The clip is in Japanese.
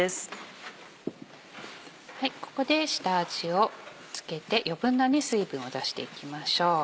ここで下味を付けて余分な水分を出していきましょう。